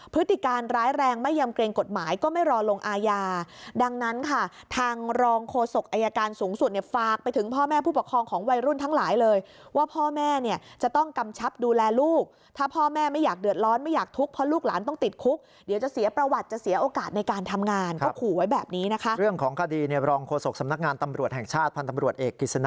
พฤติการร้ายแรงไม่ยำเกรงกฎหมายก็ไม่รอลงอาญาดังนั้นค่ะทางรองโฆษกอัยการสูงสุดเนี่ยฟากไปถึงพ่อแม่ผู้ปกครองของวัยรุ่นทั้งหลายเลยว่าพ่อแม่เนี่ยจะต้องกำชับดูแลลูกถ้าพ่อแม่ไม่อยากเดือดร้อนไม่อยากทุกข์เพราะลูกหลานต้องติดคุกเดี๋ยวจะเสียประวัติจะเสียโอกาสในการทำงานก็ขู่ไว้